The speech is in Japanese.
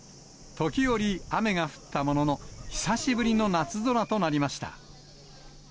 時折、雨が降ったものの、久しぶりの夏空となりました。